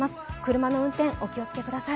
車の運転、お気をつけください。